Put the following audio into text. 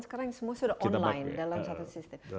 sekarang semua sudah online dalam satu sistem kita pakai